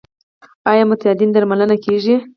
آیا معتادین درملنه کیږي؟